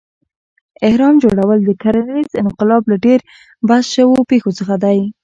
اهرام جوړول د کرنیز انقلاب له ډېر بحث شوو پېښو څخه دی.